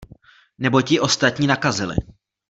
Neboť ji ostatní nakazili.